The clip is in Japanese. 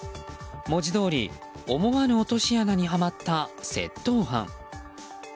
文字どおり思わぬ落とし穴にはまった窃盗犯。